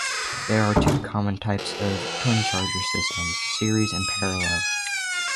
There are two common types of twincharger systems: series and parallel.